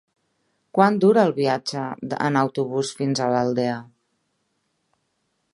Quant dura el viatge en autobús fins a l'Aldea?